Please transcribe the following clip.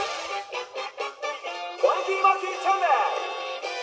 「『ファンキーマーキーチャンネル』」！